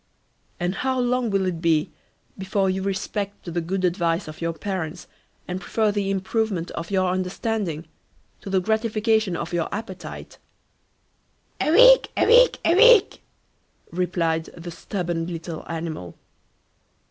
"And how long will it be before you respect the good advice of your parents, and prefer the improvement of your understanding to the gratification of your appetite?" A week, a week, a week, replied the stubborn little animal.